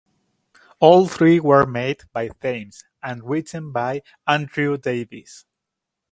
All three were made by Thames and written by Andrew Davies.